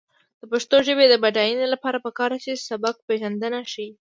د پښتو ژبې د بډاینې لپاره پکار ده چې سبکپېژندنه ښه شي.